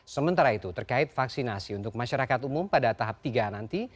sementara itu terkait vaksinasi untuk masyarakat umum pada tahap tiga nanti